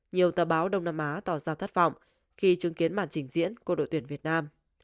nhiều tờ báo đông nam á tỏ ra thất vọng khi chứng kiến màn trình diễn của đội tuyển việt nam